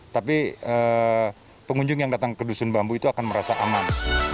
tapi pengunjung yang datang ke dusun bambu itu akan merasa aman